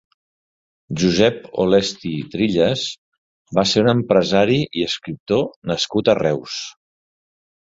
Josep Olesti Trilles va ser un empresari i escriptor nascut a Reus.